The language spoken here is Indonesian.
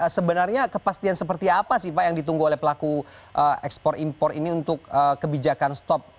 sebenarnya kepastian seperti apa sih pak yang ditunggu oleh pelaku ekspor impor ini untuk kebijakan stop